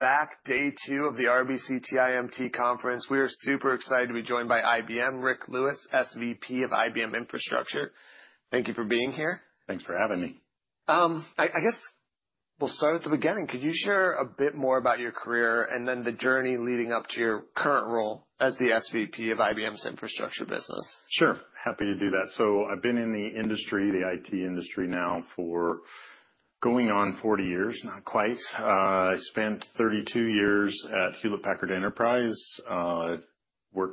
Back day two of the RBC TMT Conference. We are super excited to be joined by IBM, Ric Lewis, SVP of IBM Infrastructure. Thank you for being here. Thanks for having me. I guess we'll start at the beginning. Could you share a bit more about your career and then the journey leading up to your current role as the SVP of IBM's Infrastructure business? Sure. Happy to do that. I've been in the IT industry now for going on 40 years, not quite. I spent 32 years at Hewlett Packard Enterprise. I grew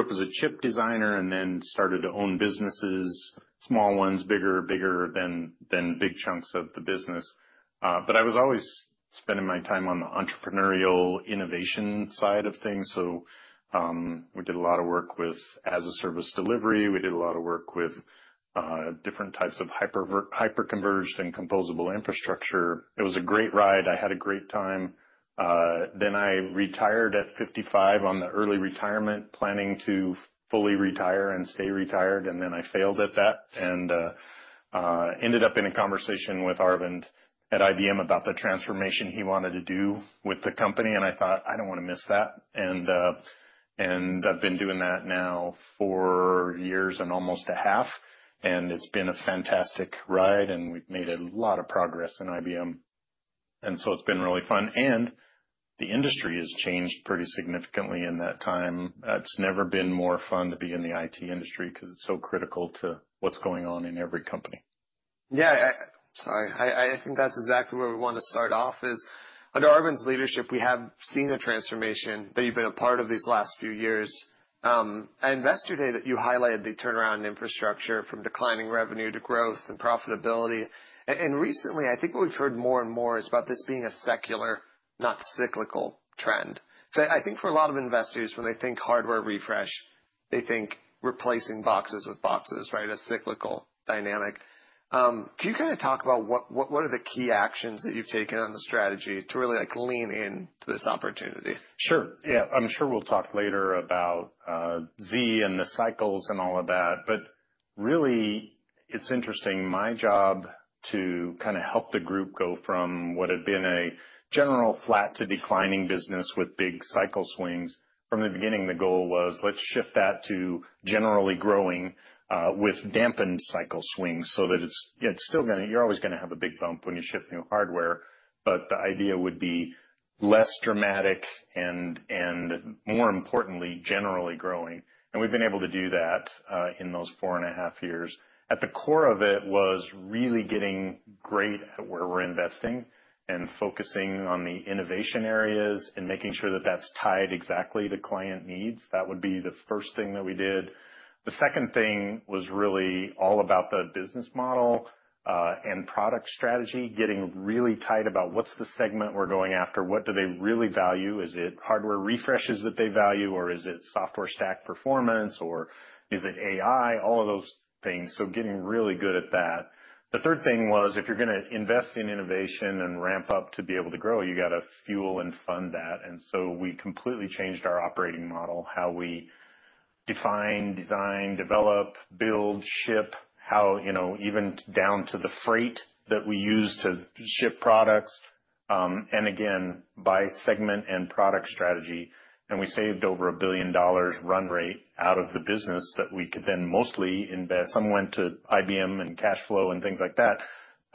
up as a chip designer and then started to own businesses, small ones, bigger than big chunks of the business. I was always spending my time on the entrepreneurial innovation side of things. We did a lot of work with as-a-service delivery. We did a lot of work with different types of hyper-converged and composable infrastructure. It was a great ride. I had a great time. I retired at 55 on the early retirement, planning to fully retire and stay retired, and then I failed at that. Ended up in a conversation with Arvind at IBM about the transformation he wanted to do with the company, and I thought, I don't want to miss that. I've been doing that now for years and almost a half. It's been a fantastic ride. We've made a lot of progress in IBM. It's been really fun. The industry has changed pretty significantly in that time. It's never been more fun to be in the IT industry because it's so critical to what's going on in every company. Yeah. Sorry. I think that's exactly where we want to start off is under Arvind's leadership, we have seen a transformation that you've been a part of these last few years. At Investor Day that you highlighted the turnaround infrastructure from declining revenue to growth and profitability. Recently, I think what we've heard more and more is about this being a secular, not cyclical trend. I think for a lot of investors, when they think hardware refresh, they think replacing boxes with boxes, right? A cyclical dynamic. Can you kind of talk about what are the key actions that you've taken on the strategy to really lean into this opportunity? Sure. Yeah. I'm sure we'll talk later about Z and the cycles and all of that, but really, it's interesting, my job to kind of help the group go from what had been a general flat to declining business with big cycle swings. From the beginning, the goal was let's shift that to generally growing, with dampened cycle swings so that it's still gonna you're always gonna have a big bump when you ship new hardware, but the idea would be less dramatic and more importantly, generally growing. We've been able to do that in those four and a half years. At the core of it was really getting great at where we're investing and focusing on the innovation areas and making sure that that's tied exactly to client needs. That would be the first thing that we did. The second thing was really all about the business model, and product strategy, getting really tight about what's the segment we're going after. What do they really value? Is it hardware refreshes that they value, or is it software stack performance, or is it AI, all of those things. Getting really good at that. The third thing was if you're gonna invest in innovation and ramp up to be able to grow, you got to fuel and fund that. We completely changed our operating model, how we define, design, develop, build, ship. How even down to the freight that we use to ship products. Again, by segment and product strategy, we saved over $1 billion run rate out of the business that we could then mostly invest. Some went to IBM and cash flow and things like that.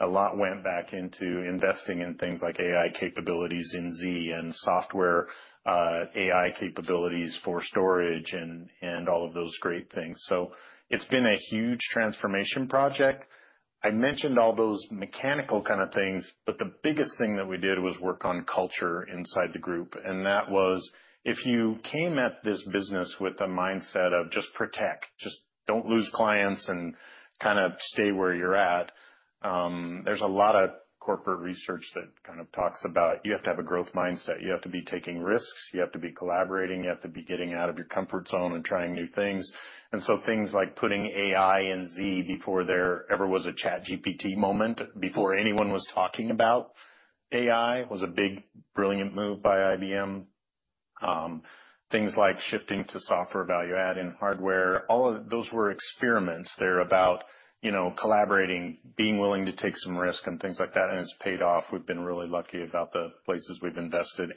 A lot went back into investing in things like AI capabilities in Z and software AI capabilities for storage, and all of those great things. It's been a huge transformation project. I mentioned all those mechanical kind of things, but the biggest thing that we did was work on culture inside the group. That was if you came at this business with a mindset of just protect, just don't lose clients and kind of stay where you're at, there's a lot of corporate research that kind of talks about you have to have a growth mindset. You have to be taking risks. You have to be collaborating. You have to be getting out of your comfort zone and trying new things. Things like putting AI and Z before there ever was a ChatGPT moment, before anyone was talking about AI, was a big, brilliant move by IBM. Things like shifting to software value add and hardware, all of those were experiments. They're about collaborating, being willing to take some risk and things like that. It's paid off. We've been really lucky about the places we've invested.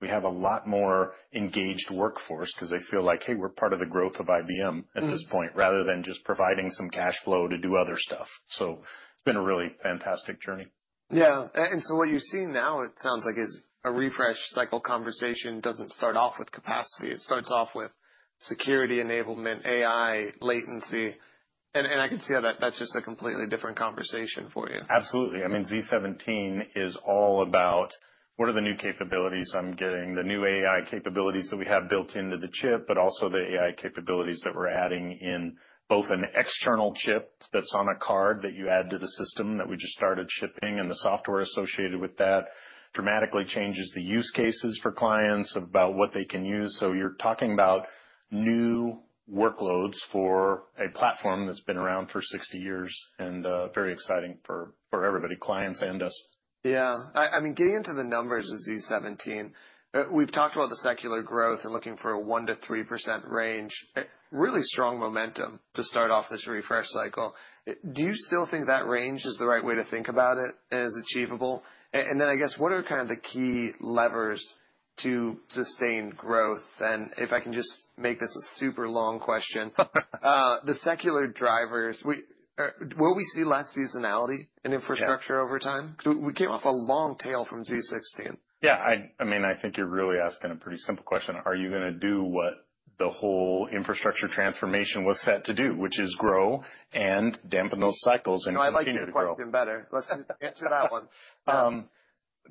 We have a lot more engaged workforce because they feel like, "Hey, we're part of the growth of IBM at this point," rather than just providing some cash flow to do other stuff. It's been a really fantastic journey. Yeah. What you're seeing now, it sounds like, is a refresh cycle conversation doesn't start off with capacity. It starts off with security enablement, AI latency. I can see how that's just a completely different conversation for you. Absolutely. I mean, z17 is all about what are the new capabilities I'm getting, the new AI capabilities that we have built into the chip, but also the AI capabilities that we're adding in both an external chip that's on a card that you add to the system that we just started shipping and the software associated with that dramatically changes the use cases for clients about what they can use. You're talking about new workloads for a platform that's been around for 60 years and very exciting for everybody, clients and us. Yeah. I mean, getting into the numbers of z17, we've talked about the secular growth and looking for a 1%-3% range. Really strong momentum to start off this refresh cycle. Do you still think that range is the right way to think about it and is achievable? I guess what are kind of the key levers to sustain growth? If I can just make this a super long question, the secular drivers, will we see less seasonality in infrastructure over time? Because we came off a long tail from z16. Yeah. I think you're really asking a pretty simple question. Are you going to do what the whole infrastructure transformation was set to do, which is grow and dampen those cycles and continue to grow. No, I like your question better. Let's answer that one.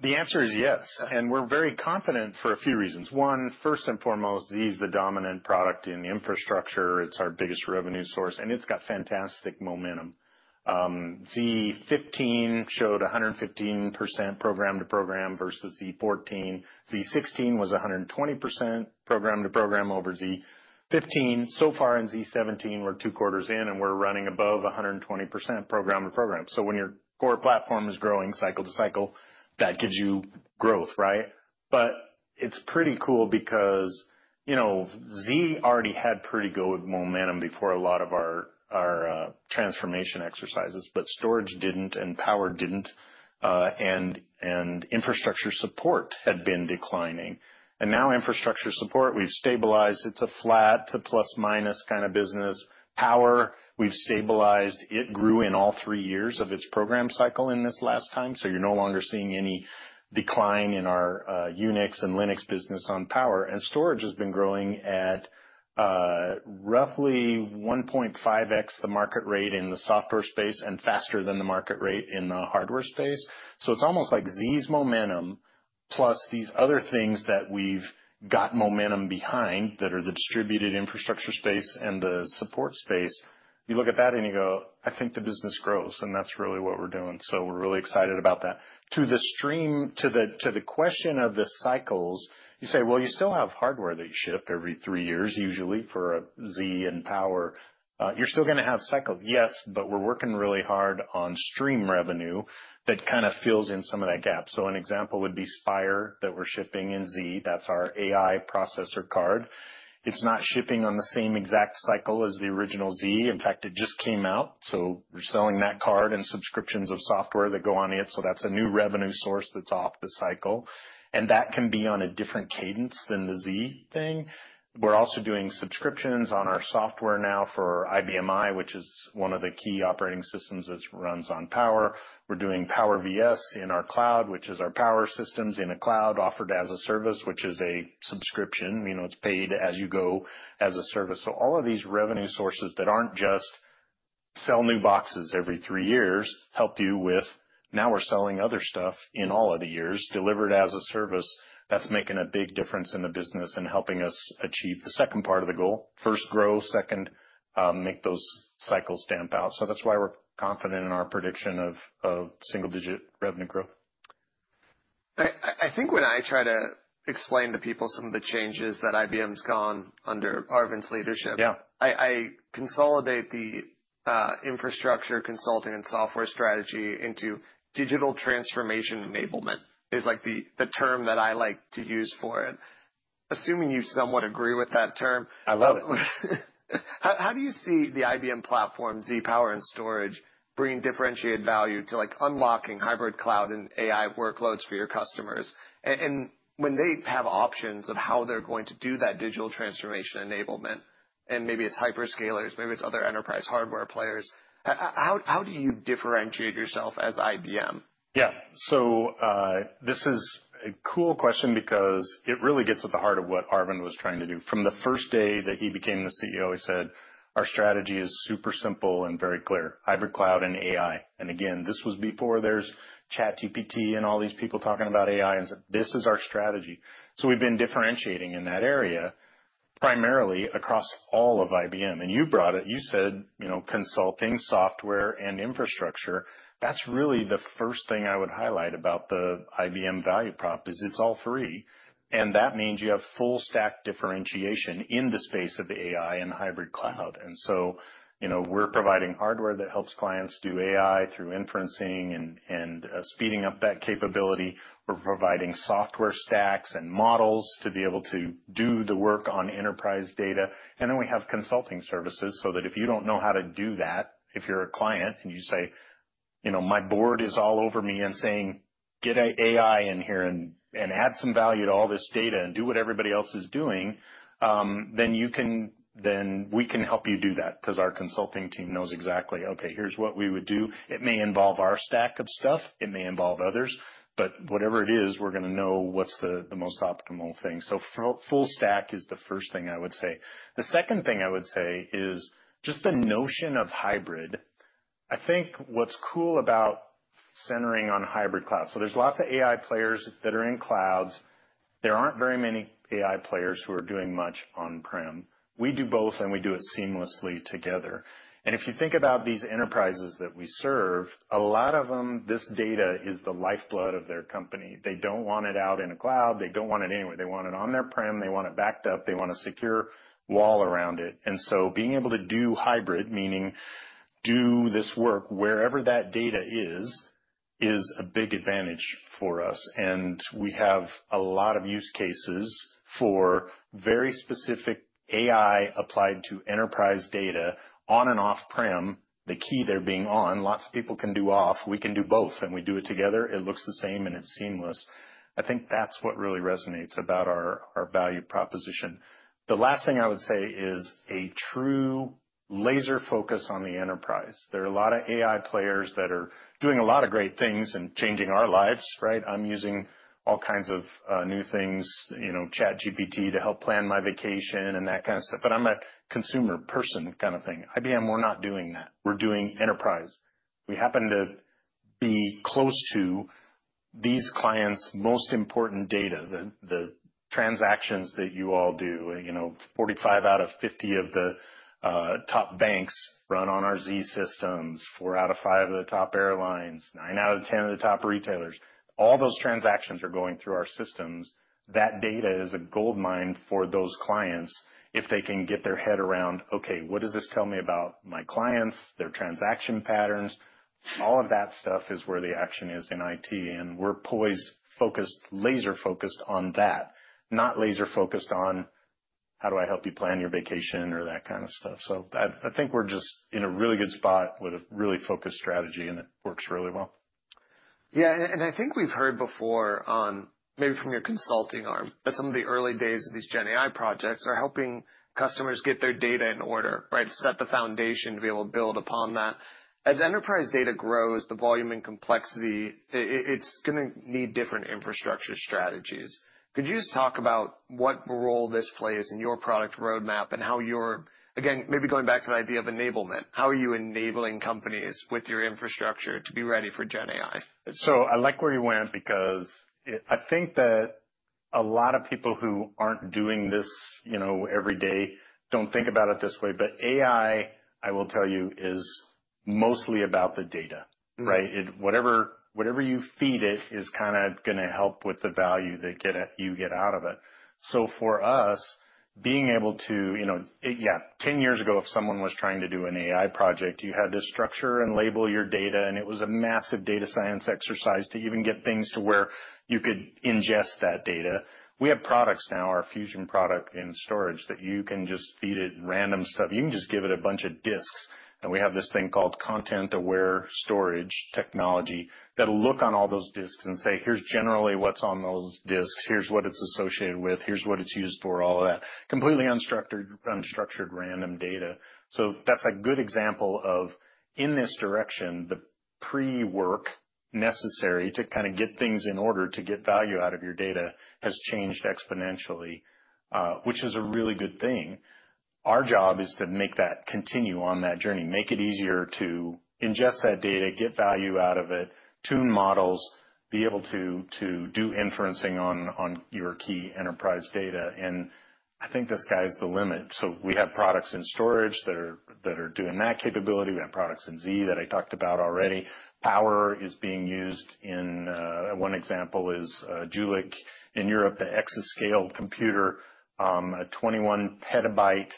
The answer is yes. We're very confident for a few reasons. One, first and foremost, Z is the dominant product in the infrastructure. It's our biggest revenue source, and it's got fantastic momentum. Z15 showed 115% program to program versus Z14. Z16 was 120% program to program over Z15. Far in Z17, we're two quarters in, and we're running above 120% program to program. When your core platform is growing cycle to cycle, that gives you growth, right? It's pretty cool because Z already had pretty good momentum before a lot of our transformation exercises, but storage didn't, Power didn't, and infrastructure support had been declining. Now infrastructure support, we've stabilized. It's a flat to plus-minus kind of business. Power, we've stabilized. It grew in all three years of its program cycle in this last time. You're no longer seeing any decline in our Unix and Linux business on Power. Storage has been growing at roughly 1.5x the market rate in the software space and faster than the market rate in the hardware space. It's almost like Z's momentum plus these other things that we've got momentum behind that are the distributed infrastructure space and the support space. You look at that and you go, "I think the business grows," and that's really what we're doing. We're really excited about that. To the question of the cycles, you say, well, you still have hardware that you ship every three years, usually, for Z and Power. You're still going to have cycles, yes, we're working really hard on stream revenue that kind of fills in some of that gap. An example would be Spyre that we're shipping in Z. That's our AI processor card. It's not shipping on the same exact cycle as the original Z. In fact, it just came out, we're selling that card and subscriptions of software that go on it. That's a new revenue source that's off the cycle, that can be on a different cadence than the Z thing. We're also doing subscriptions on our software now for IBM i, which is one of the key operating systems that runs on Power. We're doing Power VS in our cloud, which is our Power systems in a cloud offered as a service, which is a subscription. It's paid as you go as a service. All of these revenue sources that aren't just sell new boxes every three years help you with now we're selling other stuff in all of the years, delivered as a service. That's making a big difference in the business and helping us achieve the second part of the goal. First, grow. Second, make those cycles damp out. That's why we're confident in our prediction of single-digit revenue growth. I think when I try to explain to people some of the changes that IBM's gone under Arvind's leadership. Yeah I consolidate the infrastructure consulting and software strategy into digital transformation enablement, is the term that I like to use for it. Assuming you somewhat agree with that term. I love it. How do you see the IBM platform, Z, Power, and storage, bringing differentiated value to unlocking hybrid cloud and AI workloads for your customers? When they have options of how they're going to do that digital transformation enablement, and maybe it's hyperscalers, maybe it's other enterprise hardware players, how do you differentiate yourself as IBM? Yeah. This is a cool question because it really gets at the heart of what Arvind was trying to do. From the first day that he became the CEO, he said, "Our strategy is super simple and very clear: hybrid cloud and AI." Again, this was before there's ChatGPT and all these people talking about AI, and said, "This is our strategy." We've been differentiating in that area, primarily across all of IBM. You brought it. You said consulting, software, and infrastructure. That's really the first thing I would highlight about the IBM value prop is it's all three, and that means you have full stack differentiation in the space of AI and hybrid cloud. We're providing hardware that helps clients do AI through inferencing and speeding up that capability. We're providing software stacks and models to be able to do the work on enterprise data. We have consulting services that if you don't know how to do that, if you're a client and you say, "My board is all over me and saying, 'Get AI in here and add some value to all this data and do what everybody else is doing,'" then we can help you do that, because our consulting team knows exactly, okay, here's what we would do. It may involve our stack of stuff. It may involve others. Whatever it is, we're going to know what's the most optimal thing. Full stack is the first thing I would say. The second thing I would say is just the notion of hybrid. I think what's cool about centering on hybrid cloud, there's lots of AI players that are in clouds. There aren't very many AI players who are doing much on-prem. We do both, and we do it seamlessly together. If you think about these enterprises that we serve, a lot of them, this data is the lifeblood of their company. They don't want it out in a cloud. They don't want it anywhere. They want it on their prem. They want it backed up. They want a secure wall around it. Being able to do hybrid, meaning do this work wherever that data is a big advantage for us. We have a lot of use cases for very specific AI applied to enterprise data on and off-prem. The key there being on. Lots of people can do off. We can do both, and we do it together. It looks the same, and it's seamless. I think that's what really resonates about our value proposition. The last thing I would say is a true laser focus on the enterprise. There are a lot of AI players that are doing a lot of great things and changing our lives, right? I'm using all kinds of new things, ChatGPT, to help plan my vacation and that kind of stuff. I'm a consumer person kind of thing. IBM, we're not doing that. We're doing enterprise. Be close to these clients' most important data, the transactions that you all do. 45 out of 50 of the top banks run on our Z systems, four out of five of the top airlines, nine out of 10 of the top retailers. All those transactions are going through our systems. That data is a goldmine for those clients if they can get their head around, okay, what does this tell me about my clients, their transaction patterns? All of that stuff is where the action is in IT, we're poised, laser focused on that, not laser focused on how do I help you plan your vacation or that kind of stuff. I think we're just in a really good spot with a really focused strategy, it works really well. Yeah, I think we've heard before on, maybe from your consulting arm, that some of the early days of these GenAI projects are helping customers get their data in order, right? Set the foundation to be able to build upon that. As enterprise data grows, the volume and complexity, it's going to need different infrastructure strategies. Could you just talk about what role this plays in your product roadmap and how you're, again, maybe going back to the idea of enablement, how are you enabling companies with your infrastructure to be ready for GenAI? I like where you went because I think that a lot of people who aren't doing this every day don't think about it this way. AI, I will tell you, is mostly about the data, right? Whatever you feed it is going to help with the value that you get out of it. For us, being able to 10 years ago, if someone was trying to do an AI project, you had to structure and label your data, and it was a massive data science exercise to even get things to where you could ingest that data. We have products now, our Fusion product in storage, that you can just feed it random stuff. You can just give it a bunch of disks, and we have this thing called Content-Aware Storage technology that'll look on all those disks and say, "Here's generally what's on those disks. Here's what it's associated with. Here's what it's used for," all of that. Completely unstructured, random data. That's a good example of, in this direction, the pre-work necessary to get things in order to get value out of your data has changed exponentially, which is a really good thing. Our job is to make that continue on that journey, make it easier to ingest that data, get value out of it, tune models, be able to do inferencing on your key enterprise data. I think the sky's the limit. We have products in storage that are doing that capability. We have products in Z that I talked about already. Power is being used in, one example is, Jülich in Europe, the exascale computer, a 21 petabyte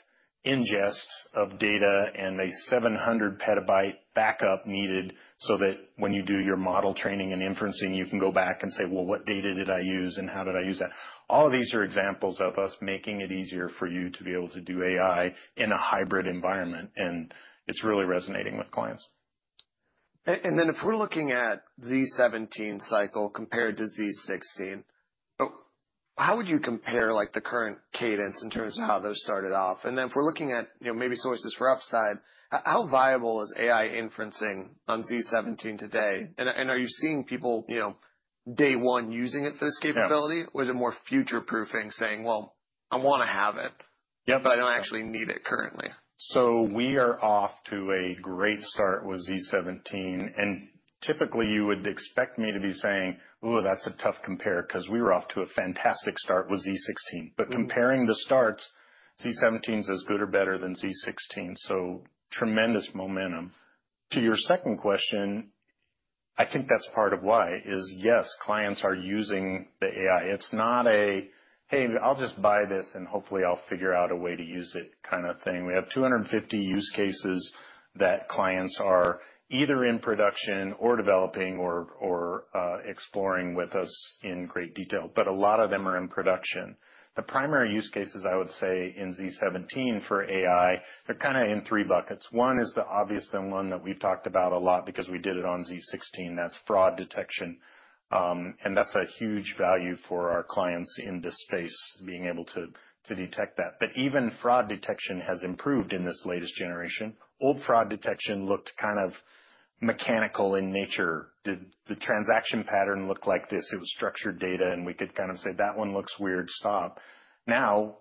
ingest of data and a 700 petabyte backup needed so that when you do your model training and inferencing, you can go back and say, "Well, what data did I use and how did I use that?" All of these are examples of us making it easier for you to be able to do AI in a hybrid environment, and it's really resonating with clients. If we're looking at z17 cycle compared to z16, how would you compare the current cadence in terms of how those started off? If we're looking at maybe sources for upside, how viable is AI inferencing on z17 today? Are you seeing people day one using it for this capability? Yeah. Is it more future-proofing saying, "Well, I want to have it. Yep I don't actually need it currently. We are off to a great start with z17, and typically you would expect me to be saying, "Ooh, that's a tough compare," because we were off to a fantastic start with z16. Comparing the starts, z17 is as good or better than z16, so tremendous momentum. To your second question, I think that's part of why is, yes, clients are using the AI. It's not a, hey, I'll just buy this and hopefully I'll figure out a way to use it kind of thing. We have 250 use cases that clients are either in production or developing or exploring with us in great detail, but a lot of them are in production. The primary use cases, I would say, in z17 for AI, they're in three buckets. One is the obvious one that we've talked about a lot because we did it on z16, that's fraud detection. That's a huge value for our clients in this space, being able to detect that. Even fraud detection has improved in this latest generation. Old fraud detection looked mechanical in nature. The transaction pattern looked like this. It was structured data, and we could say, "That one looks weird. Stop."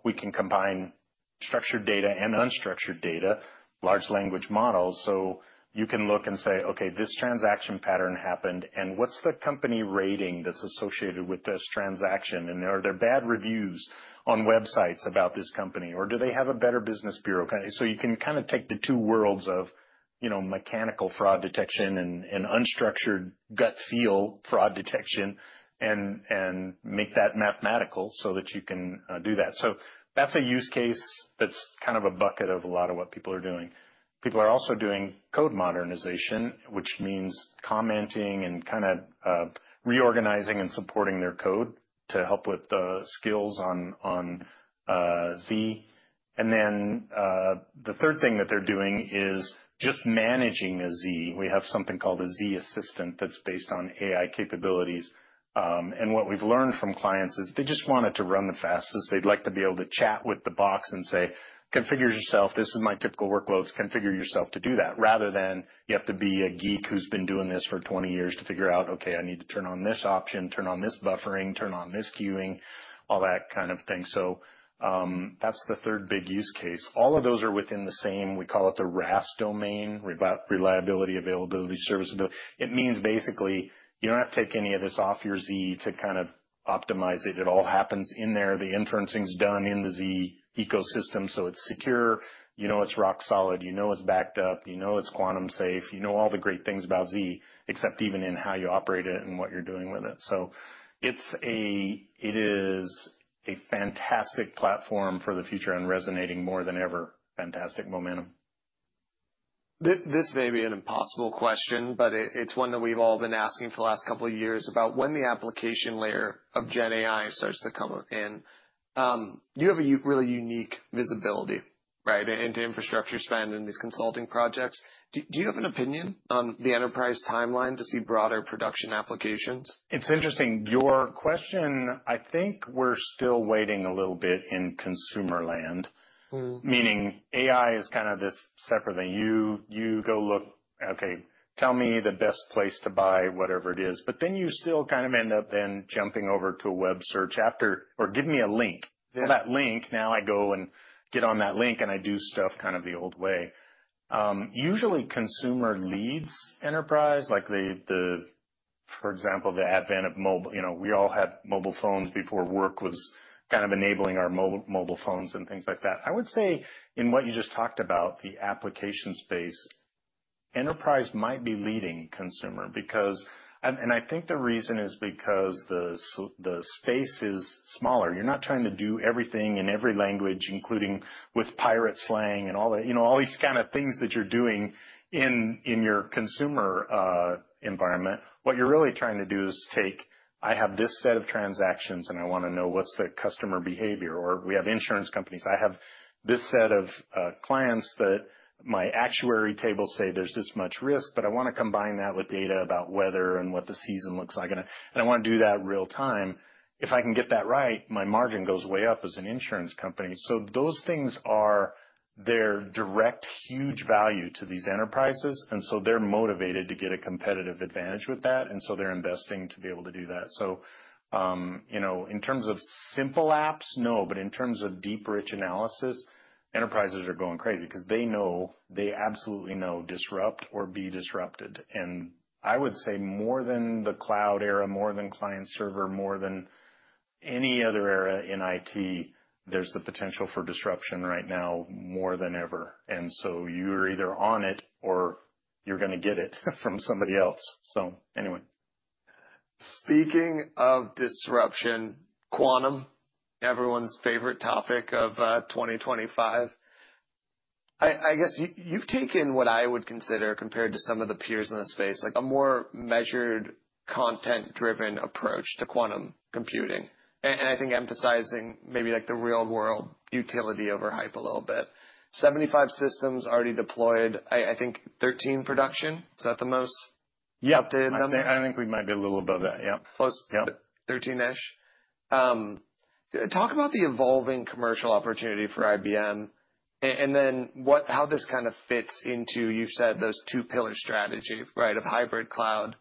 We can combine structured data and unstructured data, large language models, so you can look and say, "Okay, this transaction pattern happened, and what's the company rating that's associated with this transaction? Are there bad reviews on websites about this company, or do they have a better business bureau?" You can take the two worlds of mechanical fraud detection and unstructured gut feel fraud detection and make that mathematical so that you can do that. That's a use case that's a bucket of a lot of what people are doing. People are also doing code modernization, which means commenting and reorganizing and supporting their code to help with the skills on Z. The third thing that they're doing is just managing a Z. We have something called a Z Assistant that's based on AI capabilities. What we've learned from clients is they just want it to run the fastest. They'd like to be able to chat with the box and say, "Configure yourself. This is my typical workloads, configure yourself to do that," rather than you have to be a geek who's been doing this for 20 years to figure out, okay, I need to turn on this option, turn on this buffering, turn on this queuing, all that kind of thing. That's the third big use case. All of those are within the same, we call it the RAS domain, reliability, availability, serviceability. It means basically you don't have to take any of this off your Z to optimize it. It all happens in there. The inferencing is done in the Z ecosystem, so it's secure, you know it's rock solid, you know it's backed up, you know it's quantum safe. You know all the great things about Z, except even in how you operate it and what you're doing with it. It is a fantastic platform for the future and resonating more than ever. Fantastic momentum. This may be an impossible question, but it's one that we've all been asking for the last couple of years about when the application layer of GenAI starts to come in. You have a really unique visibility into infrastructure spend and these consulting projects. Do you have an opinion on the enterprise timeline to see broader production applications? It's interesting, your question, I think we're still waiting a little bit in consumer land. Meaning AI is kind of this separate thing. You go look, okay, tell me the best place to buy whatever it is. You still kind of end up then jumping over to a web search after, or give me a link. Yeah. That link. I go and get on that link, I do stuff kind of the old way. Usually consumer leads enterprise, like for example, the advent of mobile. We all had mobile phones before work was kind of enabling our mobile phones and things like that. I would say in what you just talked about, the application space, enterprise might be leading consumer. I think the reason is because the space is smaller. You're not trying to do everything in every language, including with pirate slang and all these kind of things that you're doing in your consumer environment. What you're really trying to do is take, I have this set of transactions, and I want to know what's the customer behavior. We have insurance companies. I have this set of clients that my actuary tables say there's this much risk, I want to combine that with data about weather and what the season looks like. I want to do that real time. If I can get that right, my margin goes way up as an insurance company. Those things are their direct huge value to these enterprises, they're motivated to get a competitive advantage with that, they're investing to be able to do that. In terms of simple apps, no, in terms of deep rich analysis, enterprises are going crazy because they absolutely know disrupt or be disrupted. I would say more than the cloud era, more than client server, more than any other era in IT, there's the potential for disruption right now more than ever. You are either on it or you're going to get it from somebody else. Anyway. Speaking of disruption, quantum, everyone's favorite topic of 2025. I guess you've taken what I would consider, compared to some of the peers in the space, a more measured, content-driven approach to quantum computing, and I think emphasizing maybe the real-world utility over hype a little bit. 75 systems already deployed, I think 13 production. Is that the most updated on there? Yeah, I think we might be a little above that. Yep. Plus- Yep. Thirteen-ish. Talk about the evolving commercial opportunity for IBM and then how this kind of fits into, you said, those two pillar strategies of hybrid cloud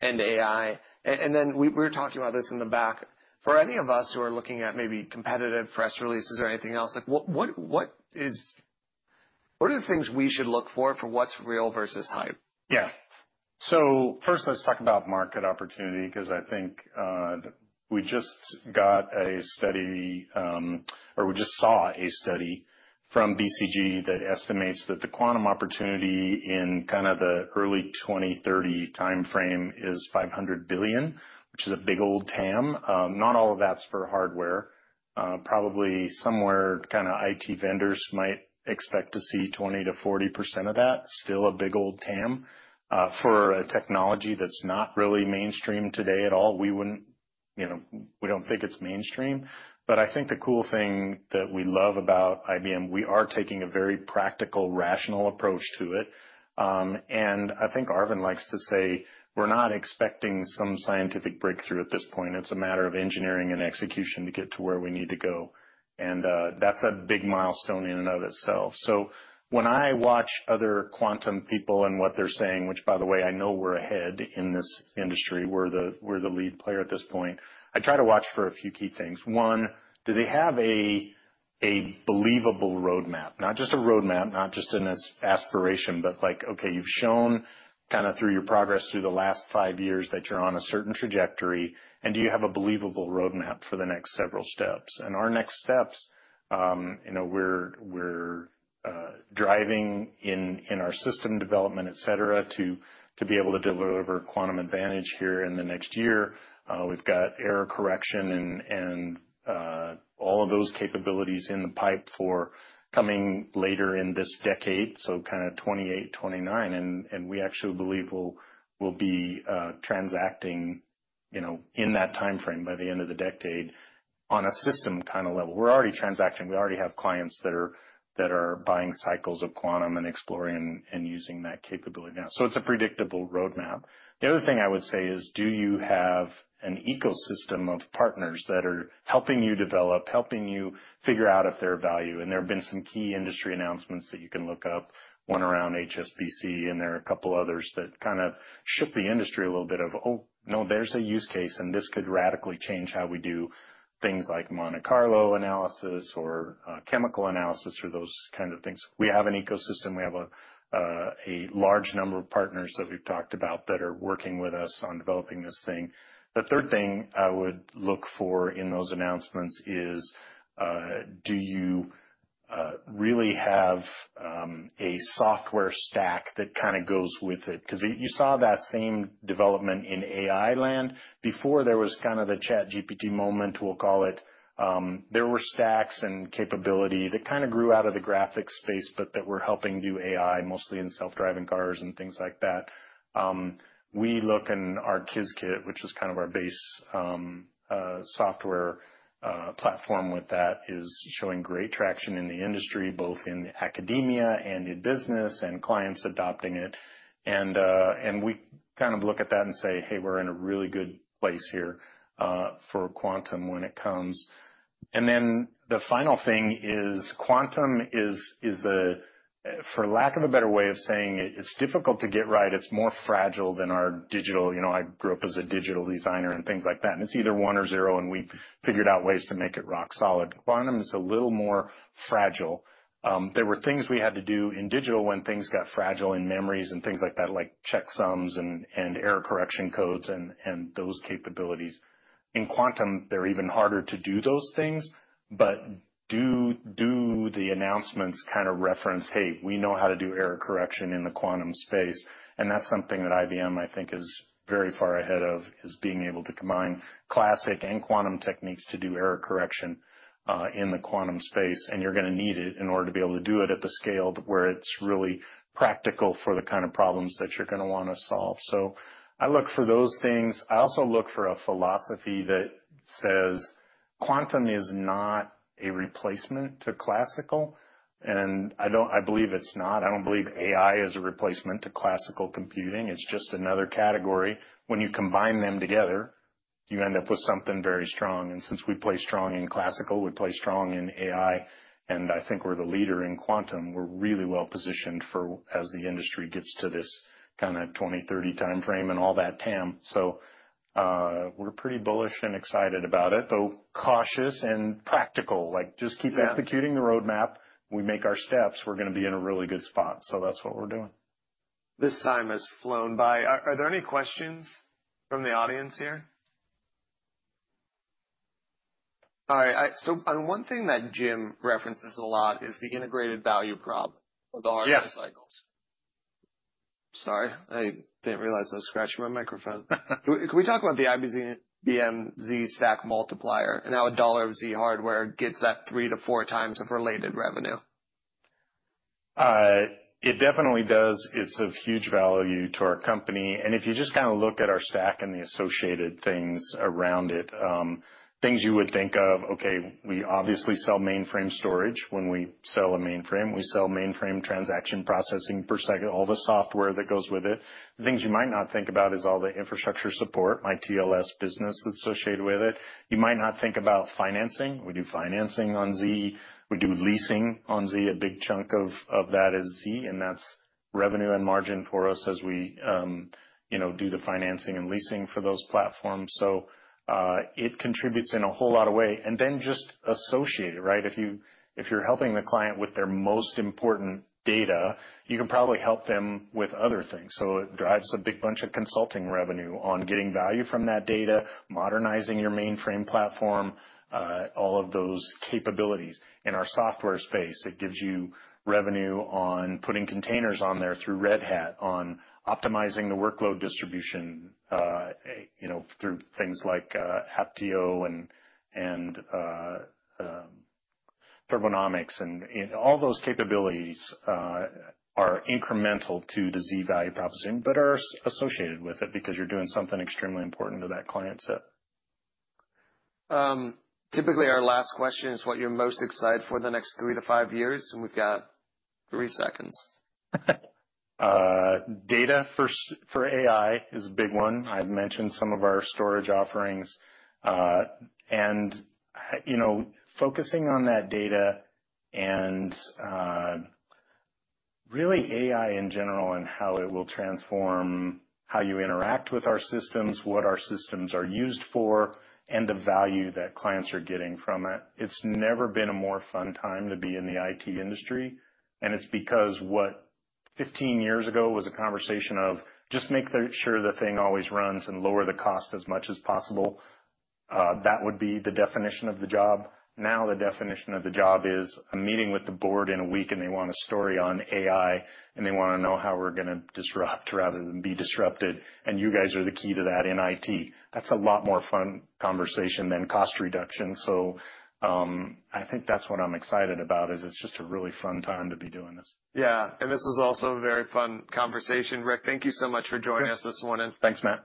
and AI. We were talking about this in the back. For any of us who are looking at maybe competitive press releases or anything else, what are the things we should look for what's real versus hype? First, let's talk about market opportunity, because I think we just got a study, or we just saw a study from BCG that estimates that the quantum opportunity in kind of the early 2030 timeframe is $500 billion, which is a big old TAM. Not all of that's for hardware. Probably somewhere kind of IT vendors might expect to see 20%-40% of that. Still a big old TAM. For a technology that's not really mainstream today at all, we don't think it's mainstream. I think the cool thing that we love about IBM, we are taking a very practical, rational approach to it. I think Arvind likes to say we're not expecting some scientific breakthrough at this point. It's a matter of engineering and execution to get to where we need to go. That's a big milestone in and of itself. When I watch other quantum people and what they're saying, which, by the way, I know we're ahead in this industry, we're the lead player at this point. I try to watch for a few key things. One, do they have a believable roadmap? Not just a roadmap, not just an aspiration, but like, okay, you've shown kind of through your progress through the last five years that you're on a certain trajectory, do you have a believable roadmap for the next several steps? Our next steps, we're driving in our system development, et cetera, to be able to deliver quantum advantage here in the next year. We've got error correction and all of those capabilities in the pipe for coming later in this decade, so kind of 2028, 2029. We actually believe we'll be transacting in that timeframe by the end of the decade on a system kind of level. We're already transacting. We already have clients that are buying cycles of quantum and exploring and using that capability now. It's a predictable roadmap. The other thing I would say is, do you have an ecosystem of partners that are helping you develop, helping you figure out if they're of value? There have been some key industry announcements that you can look up, one around HSBC, there are a couple others that kind of shook the industry a little bit of, oh, no, there's a use case, this could radically change how we do things like Monte Carlo analysis or chemical analysis or those kind of things. We have an ecosystem. We have a large number of partners that we've talked about that are working with us on developing this thing. The third thing I would look for in those announcements is, do you really have a software stack that goes with it. You saw that same development in AI land. Before there was kind of the ChatGPT moment, we'll call it, there were stacks and capability that kind of grew out of the graphics space, but that were helping do AI mostly in self-driving cars and things like that. We look in our Qiskit, which is kind of our base software platform with that, is showing great traction in the industry, both in academia and in business, clients adopting it. We kind of look at that and say, "Hey, we're in a really good place here for quantum when it comes." The final thing is quantum is, for lack of a better way of saying it's difficult to get right. It's more fragile than our digital. I grew up as a digital designer and things like that, and it's either one or zero, and we figured out ways to make it rock solid. Quantum is a little more fragile. There were things we had to do in digital when things got fragile in memories and things like that, like checksums and error correction codes and those capabilities. In quantum, they're even harder to do those things. Do the announcements kind of reference, "Hey, we know how to do error correction in the quantum space." That's something that IBM, I think, is very far ahead of, is being able to combine classic and quantum techniques to do error correction in the quantum space. You're going to need it in order to be able to do it at the scale where it's really practical for the kind of problems that you're going to want to solve. I look for those things. I also look for a philosophy that says quantum is not a replacement to classical, and I believe it's not. I don't believe AI is a replacement to classical computing. It's just another category. When you combine them together, you end up with something very strong. Since we play strong in classical, we play strong in AI, and I think we're the leader in quantum. We're really well-positioned as the industry gets to this kind of 2030 timeframe and all that TAM. We're pretty bullish and excited about it, though cautious and practical. Yeah. Just keep executing the roadmap. We make our steps, we're going to be in a really good spot. That's what we're doing. This time has flown by. Are there any questions from the audience here? All right. One thing that Jim references a lot is the integrated value prop of the hardware cycles. Yeah. Sorry, I didn't realize I was scratching my microphone. Can we talk about the IBM Z stack multiplier and how $1 of Z hardware gets that 3 to 4 times of related revenue? It definitely does. It's of huge value to our company, and if you just kind of look at our stack and the associated things around it, things you would think of, okay, we obviously sell mainframe storage when we sell a mainframe. We sell mainframe transaction processing per second, all the software that goes with it. The things you might not think about is all the infrastructure support, my TLS business that's associated with it. You might not think about financing. We do financing on Z. We do leasing on Z. A big chunk of that is Z, and that's revenue and margin for us as we do the financing and leasing for those platforms. It contributes in a whole lot of way. Just associated, right? If you're helping the client with their most important data, you can probably help them with other things. It drives a big bunch of consulting revenue on getting value from that data, modernizing your mainframe platform, all of those capabilities. In our software space, it gives you revenue on putting containers on there through Red Hat, on optimizing the workload distribution through things like Apptio and Turbonomic. All those capabilities are incremental to the Z value proposition but are associated with it because you're doing something extremely important to that client set. Typically, our last question is what you're most excited for in the next three to five years, we've got three seconds. Data for AI is a big one. I've mentioned some of our storage offerings. Focusing on that data and really AI in general, how it will transform how you interact with our systems, what our systems are used for, the value that clients are getting from it. It's never been a more fun time to be in the IT industry, it's because what 15 years ago was a conversation of just make sure the thing always runs and lower the cost as much as possible. That would be the definition of the job. Now the definition of the job is I'm meeting with the board in a week they want a story on AI, they want to know how we're going to disrupt rather than be disrupted. You guys are the key to that in IT. That's a lot more fun conversation than cost reduction. I think that's what I'm excited about, is it's just a really fun time to be doing this. Yeah. This was also a very fun conversation. Ric, thank you so much for joining us this morning. Thanks, Matt.